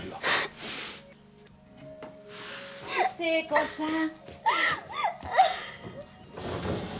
汀子さん。